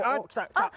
あっ！